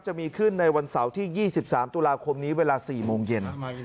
จะมีขึ้นในวันเสาร์ที่๒๓ตุลาคมนี้เวลา๔โมงเย็น